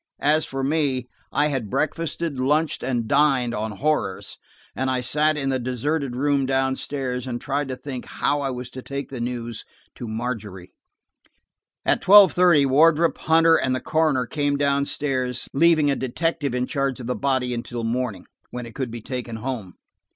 As for me, I had breakfasted, lunched and dined on horrors, and I sat in the deserted room down stairs and tried to think how I was to take the news to Margery. At twelve thirty Wardrop, Hunter and the coroner came down stairs, leaving a detective in charge of the body until morning, when it could be taken home.